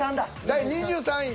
第２２位。